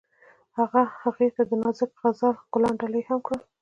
هغه هغې ته د نازک غزل ګلان ډالۍ هم کړل.